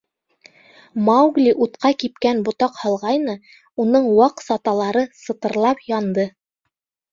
Маугли утҡа кипкән ботаҡ һалғайны, уның ваҡ саталары сытырлап янды.